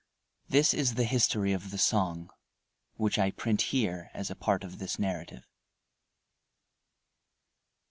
This is the history of the song, which I print here as a part of this narrative.